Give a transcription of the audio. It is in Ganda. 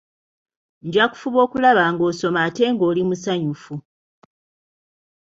Nja kufuba okulaba ng'osoma ate ng'oli musanyufu.